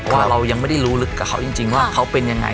ว่าเรายังไม่ได้รู้ลึกกับเขาจริงว่าเขาเป็นยังไง